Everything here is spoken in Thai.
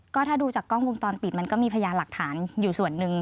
ก็ถ้าดูจากกล้องวงจรปิดมันก็มีพยานหลักฐานอยู่ส่วนหนึ่ง